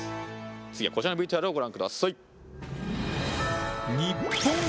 次はこちらのＶＴＲをご覧ください。